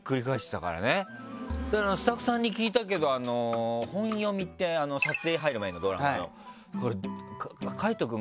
だからスタッフさんに聞いたけど本読みって撮影入る前のドラマの。